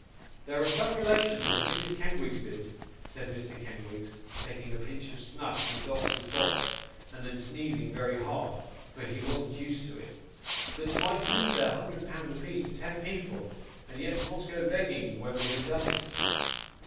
'There are some relations of Mrs. Kenwigs's,' said Mr. Kenwigs, taking a pinch of snuff from the doctor's box, and then sneezing very hard, for he wasn't used to it, 'that might leave their hundred pound apiece to ten people, and yet not go begging when they had done it.